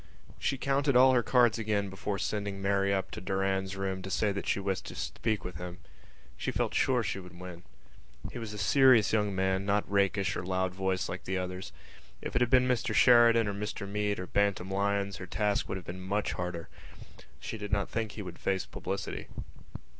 She counted all her cards again before sending Mary up to Mr Doran's room to say that she wished to speak with him. She felt sure she would win. He was a serious young man, not rakish or loud voiced like the others. If it had been Mr Sheridan or Mr Meade or Bantam Lyons her task would have been much harder. She did not think he would face publicity.